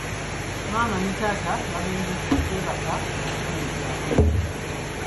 Maama ne taata bagenze kwebaka mukisenge kyabwe.